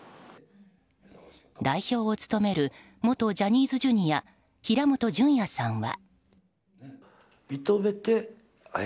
代表を務める元ジャニーズＪｒ．平本淳也さんは。